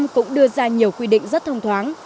cũng đưa ra nhiều quy định rất thông thoáng